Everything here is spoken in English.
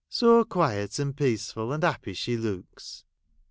So quiet, and peaceful, and happy she looks.'